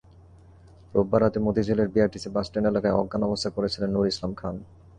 রোববার রাতে মতিঝিলের BRTC bus stand এলাকায় অজ্ঞান অবস্থায় পড়ে ছিলেন নূর ইসলাম খান।